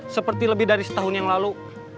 seperti lebih dari setahun yang lalu